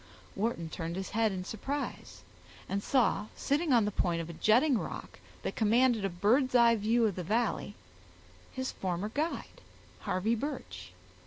Wharton turned his head in surprise, and saw, sitting on the point of a jutting rock that commanded a bird's eye view of the valley, his former guide, Harvey Birch.